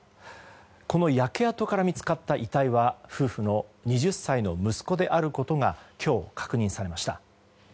この焼け跡から見つかった遺体は夫婦の２０歳の息子であることが今日、確認されました。